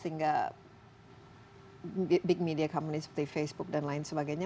sehingga big media commony seperti facebook dan lain sebagainya